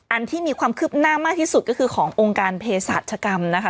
อันที่มีความคืบหน้ามากที่สุดก็คือขององค์การเพศรัชกรรมนะคะ